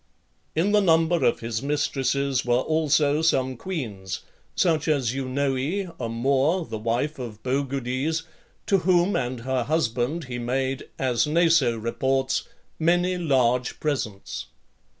LII. In the number of his mistresses were also some queens; such as Eunoe, a Moor, the wife of Bogudes, to whom and her husband he made, as Naso reports, many large presents.